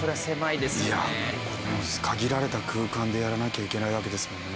限られた空間でやらなきゃいけないわけですもんね。